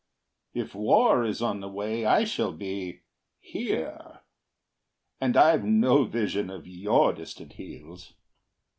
If war is on the way, I shall be here; And I've no vision of your distant heels.